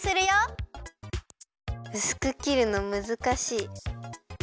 うすくきるのむずかしい。